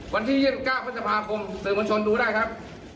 วันที่๒๙พฤษภาคมสื่อมวลชนดูได้ครับ